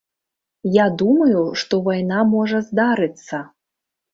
Я думаю, што вайна можа здарыцца.